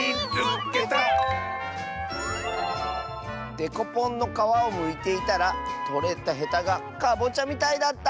「デコポンのかわをむいていたらとれたへたがかぼちゃみたいだった！」。